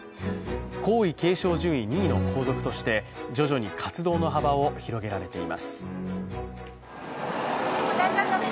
皇位継承順位２位の皇族として徐々に活動の幅を広げられています。